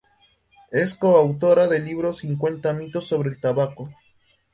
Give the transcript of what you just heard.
Es coautora del libro "Cincuenta mitos sobre el tabaco".